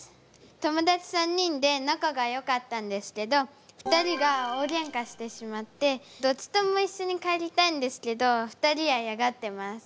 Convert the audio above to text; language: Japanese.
友だち３人で仲がよかったんですけど２人が大げんかしてしまってどっちとも一緒に帰りたいんですけど２人はいやがってます。